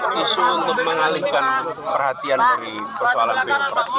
isu untuk mengalihkan perhatian dari persoalan demokrasi